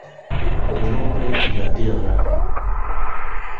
El hombre y la Tierra".